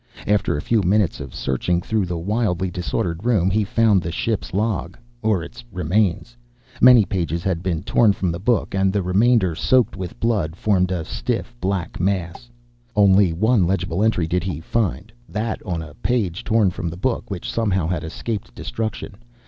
After a few minutes of searching through the wildly disordered room, he found the ship's log or its remains. Many pages had been torn from the book, and the remainder, soaked with blood, formed a stiff black mass. Only one legible entry did he find, that on a page torn from the book, which somehow had escaped destruction.